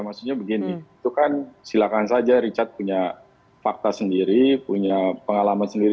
maksudnya begini itu kan silakan saja richard punya fakta sendiri punya pengalaman sendiri